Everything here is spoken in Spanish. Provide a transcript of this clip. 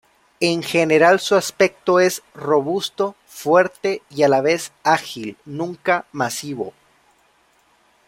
En general su aspecto es robusto, fuerte y a la vez ágil, nunca masivo.